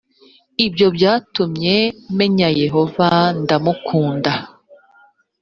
ibyo byatumye menya yehova ndamukunda .